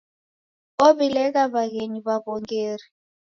Ow'ilegha w'aghenyi w'aw'ongeri.